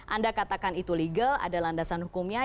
anda katakan itu legal ada landasan hukumnya